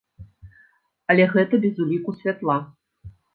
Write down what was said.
Але гэта без ўліку святла.